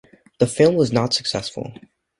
The film was not successful.